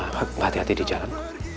hati hati di jalan